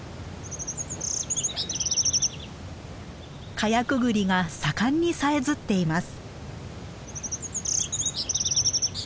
カヤクグリが盛んにさえずっています。